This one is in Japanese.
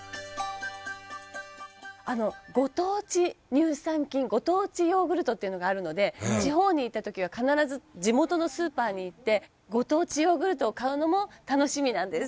ご当地乳酸菌ご当地ヨーグルトっていうのがあるので地方に行った時は必ず地元のスーパーに行ってご当地ヨーグルトを買うのも楽しみなんです。